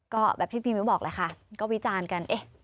ก็แบบที่พี่มิ้วบอกแหละค่ะก็วิจารณ์กัน